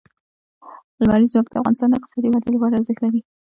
لمریز ځواک د افغانستان د اقتصادي ودې لپاره ارزښت لري.